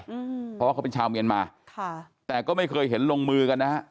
อืมเพราะว่าเขาเป็นชาวเมียนมาค่ะแต่ก็ไม่เคยเห็นลงมือกันนะฮะ